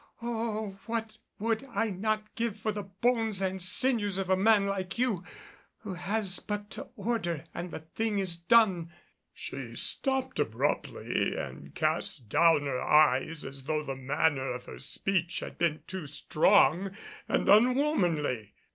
Oh! what would I not give for the bones and sinews of a man like you who has but to order and the thing is done!" She stopped abruptly and cast down her eyes as though the manner of her speech had been too strong and unwomanly.